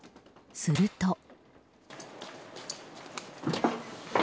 すると。